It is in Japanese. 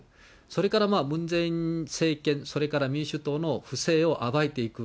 それからムン・ジェイン政権、それから民主党の不正を暴いていく。